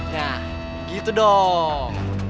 nah gitu dong